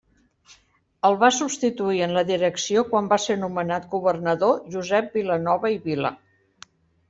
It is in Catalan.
El va substituir en la direcció quan va ser nomenat governador, Josep Vilanova i Vila.